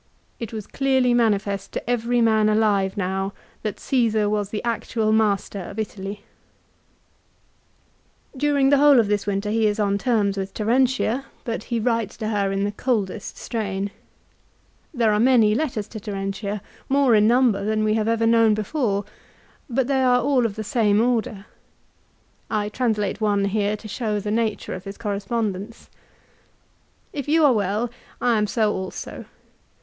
It was clearly manifest to every man alive now that Csesar was the actual master of Italy. 1 Ad Att. lib. xi. 5. a Horace, Sat. lib. i. sat. 5. 3 Ad Att. lib. xi. 7. AFTER THE BATTLE. 159 During the whole of this winter he is on terms with Terentia, but he writes to her in the coldest strain. There are many letters to Terentia, more in number than we have ever known before, but they are all of the same order. I translate one here to show the nature of his correspondence. " If you are well, I am so also.